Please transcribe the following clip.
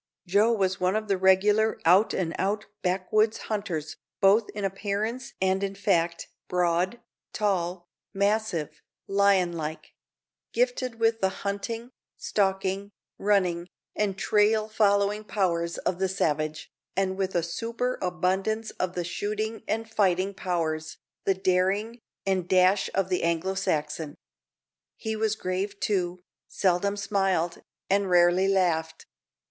Joe was one of the regular out and out backwoods hunters, both in appearance and in fact broad, tall, massive, lion like; gifted with the hunting, stalking, running, and trail following powers of the savage, and with a superabundance of the shooting and fighting powers, the daring, and dash of the Anglo Saxon. He was grave, too seldom smiled, and rarely laughed.